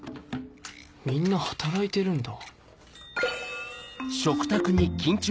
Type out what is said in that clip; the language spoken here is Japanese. みんな働いてるんだ